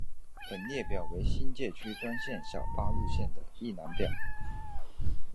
本列表为新界区专线小巴路线的一览表。